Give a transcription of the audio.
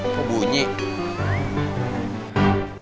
kok bunyi itu